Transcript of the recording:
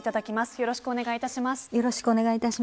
よろしくお願いします。